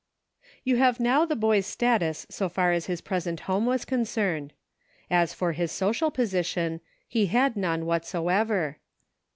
You have now the boy's status so far as his present home was concerned. As for his social position, he had none whatever.